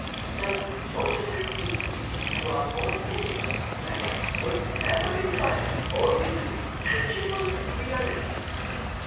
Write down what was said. From remotest antiquity to our own days, man was ever inclined only to tangible realities.